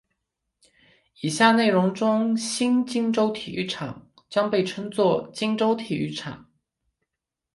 以下内容中新金州体育场将被称作金州体育场。